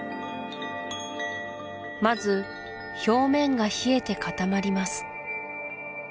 まず表面が冷えて固まります